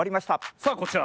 さあこちら。